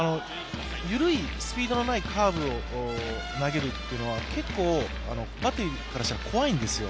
緩いスピードのないカーブを投げるというのは、結構バッテリーからしたら怖いんですよ。